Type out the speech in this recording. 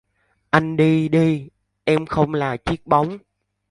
Anh đi đi, Em không là chiếc bóng